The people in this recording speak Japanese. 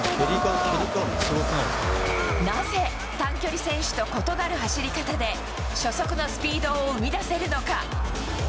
なぜ短距離選手と異なる走り方で、初速のスピードを生み出せるのか。